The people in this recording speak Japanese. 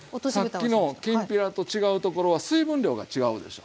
さっきのきんぴらと違うところは水分量が違うでしょ？